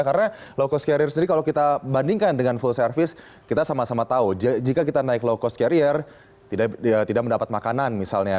karena low cost carrier sendiri kalau kita bandingkan dengan full service kita sama sama tahu jika kita naik low cost carrier tidak mendapat makanan misalnya